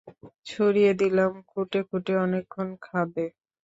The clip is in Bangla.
ছড়িয়ে দিলাম, খুঁটে খুঁটে অনেকক্ষণ খাবে।